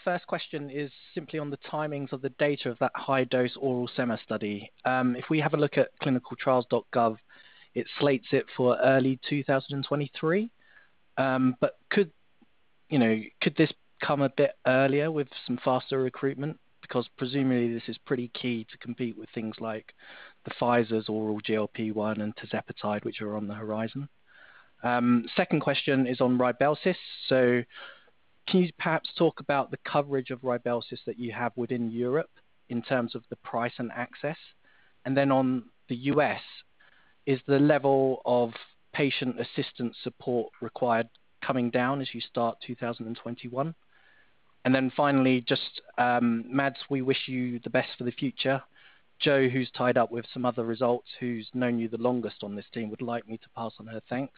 First question is simply on the timings of the data of that high-dose oral sema study. If we have a look at clinicaltrials.gov, it slates it for early 2023. Could this come a bit earlier with some faster recruitment? Because presumably this is pretty key to compete with things like the Pfizer's oral GLP-1 and tirzepatide, which are on the horizon. Second question is on RYBELSUS. Can you perhaps talk about the coverage of RYBELSUS that you have within Europe in terms of the price and access? On the U.S., is the level of patient assistance support required coming down as you start 2021? Finally, just Mads, we wish you the best for the future. Joe, who's tied up with some other results, who's known you the longest on this team, would like me to pass on her thanks,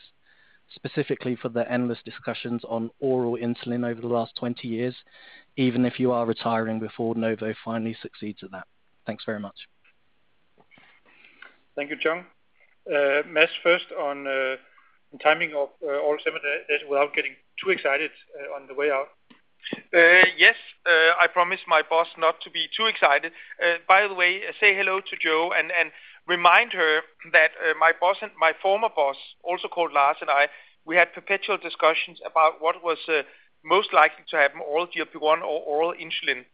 specifically for the endless discussions on oral insulin over the last 20 years, even if you are retiring before Novo finally succeeds in that. Thanks very much. Thank you, Trung. Mads, first on timing of NovoSeven without getting too excited on the way out. Yes. I promised my boss not to be too excited. By the way, say hello to Joe and remind her that my former boss, also called Lars and I, we had perpetual discussions about what was most likely to happen, oral GLP-1 or oral insulin.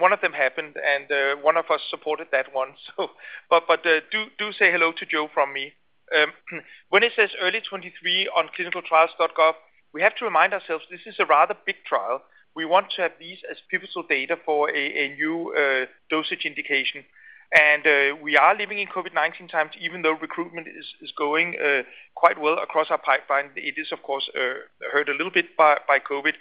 One of them happened, and one of us supported that one. Do say hello to Joe from me. When it says early 2023 on clinicaltrials.gov, we have to remind ourselves this is a rather big trial. We want to have these as pivotal data for a new dosage indication. We are living in COVID-19 times, even though recruitment is going quite well across our pipeline. It is, of course, hurt a little bit by COVID.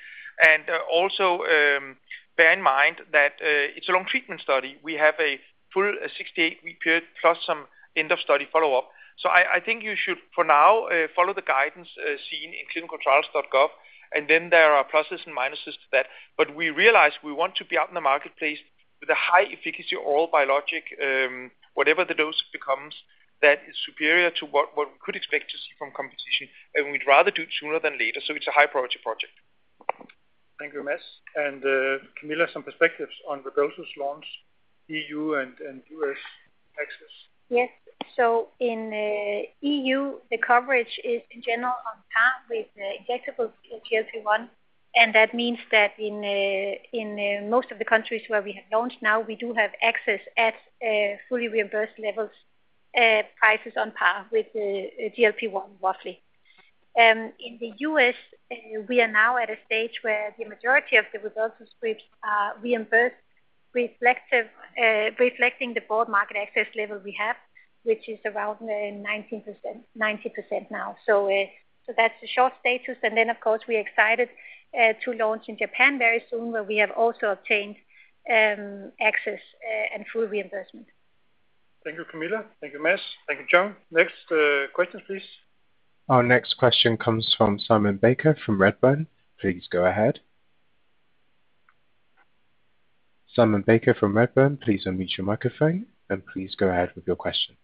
Bear in mind that it's a long treatment study. We have a full 68-week period plus some end of study follow-up. I think you should, for now, follow the guidance seen in clinicaltrials.gov, and then there are pluses and minuses to that. We realize we want to be out in the marketplace with a high efficacy oral biologic, whatever the dose becomes, that is superior to what we could expect to see from competition, and we'd rather do it sooner than later. It's a high priority project. Thank you, Mads. Camilla, some perspectives on the RYBELSUS launch, EU and U.S. access. Yes. In EU, the coverage is in general on par with the injectable GLP-1, and that means that in most of the countries where we have launched now, we do have access at fully reimbursed levels, prices on par with the GLP-1, roughly. In the U.S., we are now at a stage where the majority of the results we reimbursed reflecting the broad market access level we have, which is around 90% now. That's the short status. Then, of course, we are excited to launch in Japan very soon, where we have also obtained access and full reimbursement. Thank you, Camilla. Thank you, Mads. Thank you, Trung. Next, questions, please. Our next question comes from Simon Baker from Redburn. Please go ahead. Simon Baker from Redburn, please unmute your microphone, and please go ahead with your question.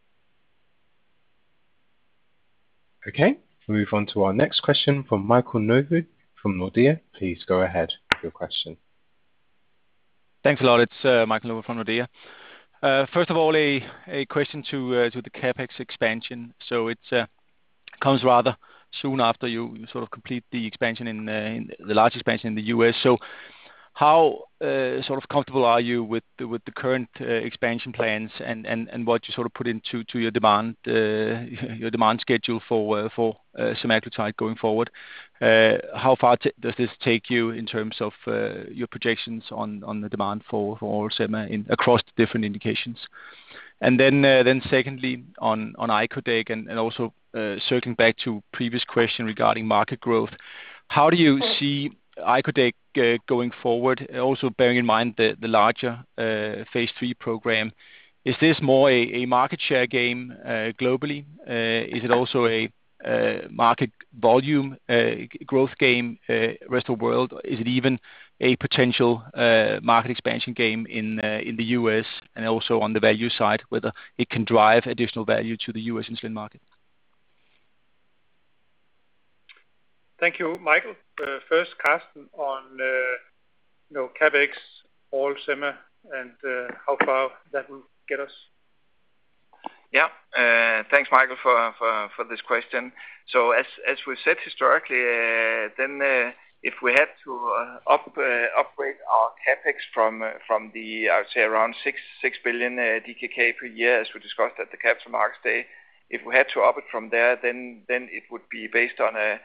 Okay, we move on to our next question from Michael Novod from Nordea. Please go ahead with your question. Thanks a lot. It's Michael Novod from Nordea. A question to the CapEx expansion. It comes rather soon after you complete the large expansion in the U.S. How comfortable are you with the current expansion plans and what you put into your demand schedule for semaglutide going forward? How far does this take you in terms of your projections on the demand for oral sema across the different indications? Secondly, on icodec, and also circling back to previous question regarding market growth, how do you see icodec going forward? Also bearing in mind the larger phase III program. Is this more a market share game globally? Is it also a market volume growth game rest of world? Is it even a potential market expansion game in the U.S. and also on the value side, whether it can drive additional value to the U.S. insulin market? Thank you, Michael. First, Karsten, on CapEx, oral sema, and how far that will get us. Yeah. Thanks, Michael, for this question. As we said historically, then if we had to upgrade our CapEx from the, I would say around 6 billion DKK per year, as we discussed at the Capital Markets Day, if we had to up it from there, then it would be based on a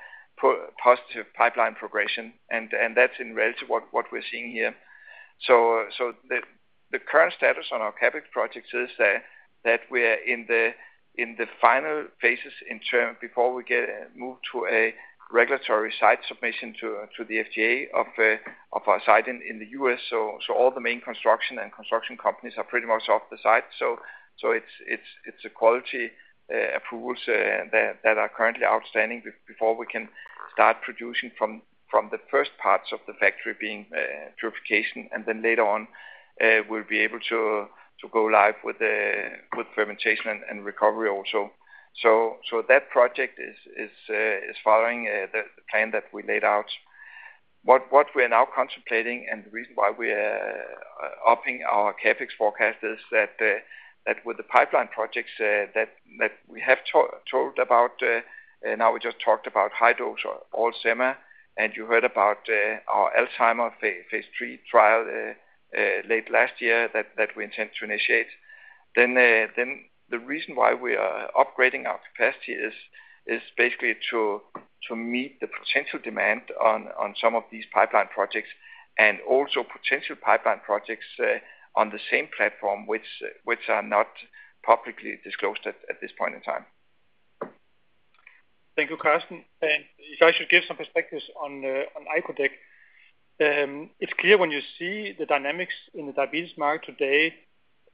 positive pipeline progression, and that's in relative what we're seeing here. The current status on our CapEx projects is that we are in the final phases in term before we get moved to a regulatory site submission to the FDA of our site in the U.S. All the main construction companies are pretty much off the site. It's a quality approvals that are currently outstanding before we can start producing from the first parts of the factory being purification, and then later on, we'll be able to go live with fermentation and recovery also. That project is following the plan that we laid out. What we are now contemplating, and the reason why we are upping our CapEx forecast is that with the pipeline projects that we have told about, now we just talked about high-dose or oral sema, and you heard about our Alzheimer phase III trial late last year that we intend to initiate. The reason why we are upgrading our capacity is basically to meet the potential demand on some of these pipeline projects and also potential pipeline projects on the same platform which are not publicly disclosed at this point in time. Thank you, Karsten. If I should give some perspectives on icodec. It's clear when you see the dynamics in the diabetes market today,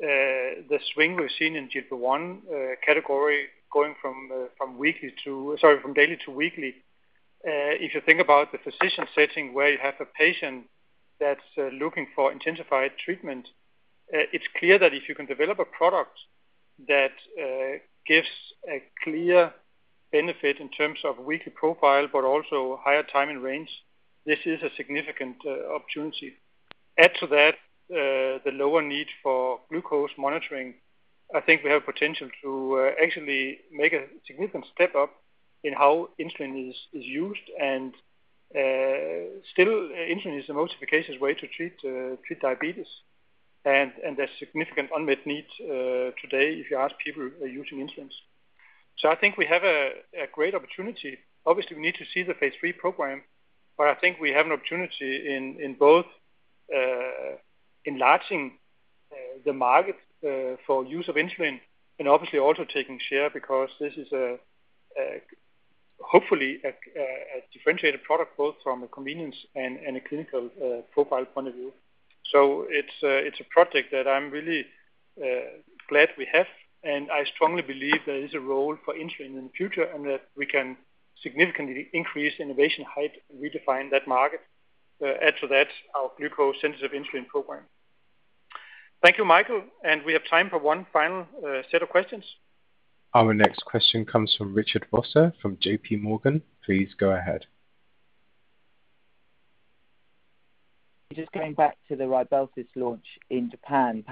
the swing we've seen in GLP-1 category going from daily to weekly. If you think about the physician setting where you have a patient that's looking for intensified treatment, it's clear that if you can develop a product that gives a clear benefit in terms of weekly profile, but also higher time in range, this is a significant opportunity. Add to that, the lower need for glucose monitoring. I think we have potential to actually make a significant step up in how insulin is used, still insulin is the most efficacious way to treat diabetes. There's significant unmet need today if you ask people using insulins. I think we have a great opportunity. Obviously, we need to see the phase III program, but I think we have an opportunity in both enlarging the market for use of insulin, and obviously also taking share because this is hopefully a differentiated product both from a convenience and a clinical profile point of view. It's a project that I'm really glad we have, and I strongly believe there is a role for insulin in the future, and that we can significantly increase innovation height and redefine that market. Add to that our glucose-sensitive insulin program. Thank you, Michael. We have time for one final set of questions. Our next question comes from Richard Vosser from JPMorgan. Please go ahead. Just going back to the RYBELSUS launch in Japan.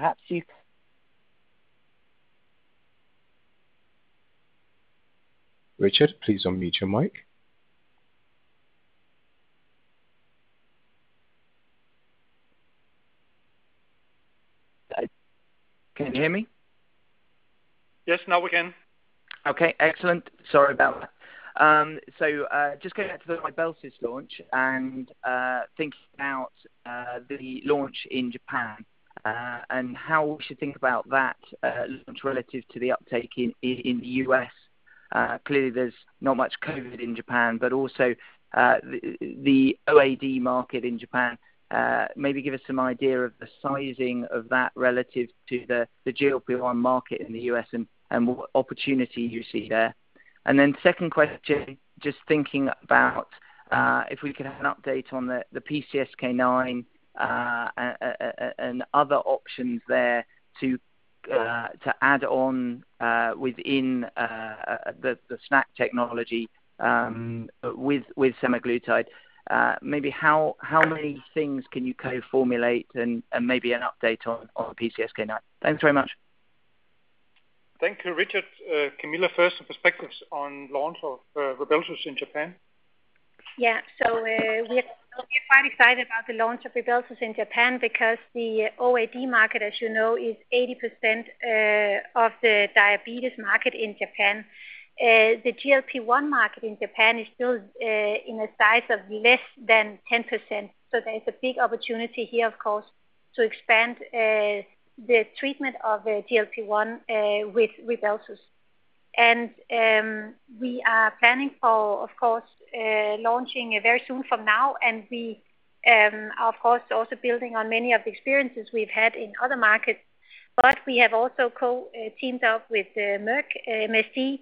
Richard, please unmute your mic. Can you hear me? Yes, now we can. Okay, excellent. Sorry about that. Just going back to the RYBELSUS launch and thinking about the launch in Japan, and how we should think about that launch relative to the uptake in the U.S. Clearly, there is not much COVID in Japan, but also the OAD market in Japan. Maybe give us some idea of the sizing of that relative to the GLP-1 market in the U.S. and what opportunity you see there. Second question, just thinking about if we could have an update on the PCSK9 and other options there to add on within the SNAC technology with semaglutide. Maybe how many things can you co-formulate and maybe an update on PCSK9. Thanks very much. Thank you, Richard. Camilla first, perspectives on launch of RYBELSUS in Japan. Yeah. We are quite excited about the launch of RYBELSUS in Japan because the OAD market, as you know, is 80% of the diabetes market in Japan. The GLP-1 market in Japan is still in a size of less than 10%, so there is a big opportunity here, of course, to expand the treatment of GLP-1 with RYBELSUS. We are planning for, of course, launching very soon from now, and we are of course, also building on many of the experiences we've had in other markets. We have also co-teamed up with Merck MSD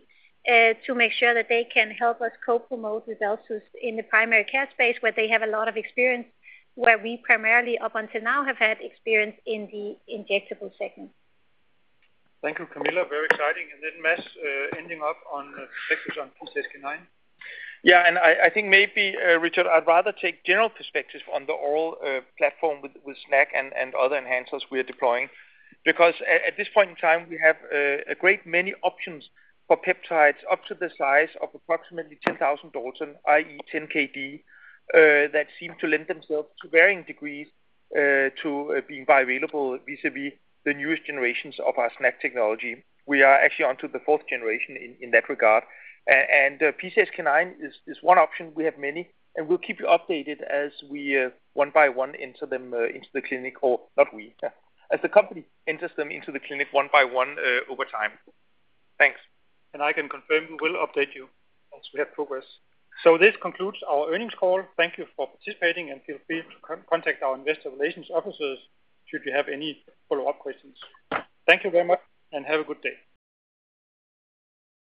to make sure that they can help us co-promote RYBELSUS in the primary care space where they have a lot of experience, where we primarily up until now have had experience in the injectable segment. Thank you, Camilla. Very exciting. Mads, ending up on perspectives on PCSK9. Yeah, I think maybe, Richard, I'd rather take general perspectives on the oral platform with SNAC and other enhancers we are deploying. At this point in time, we have a great many options for peptides up to the size of approximately 10,000 dalton, i.e. 10 kDa, that seem to lend themselves to varying degrees to being bioavailable vis-a-vis the newest generations of our SNAC technology. We are actually onto the fourth generation in that regard. PCSK9 is one option. We have many, and we'll keep you updated as we one by one enter them into the clinic, or not we, as the company enters them into the clinic one by one over time. Thanks. I can confirm we will update you once we have progress. This concludes our earnings call. Thank you for participating and feel free to contact our investor relations officers should you have any follow-up questions. Thank you very much and have a good day.